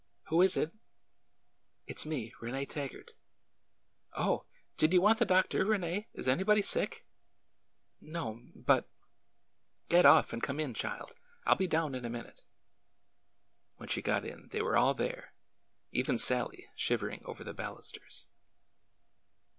Who is it?" It 's me. Rene Taggart." '' Oh ! Did you want the doctor, Rene ? Is anybody sick?" ^'No'm. But " Get off and come in, child. I 'll be down in a minute." When she got in they were all there, — even Sallie, shiv ering over the balusters.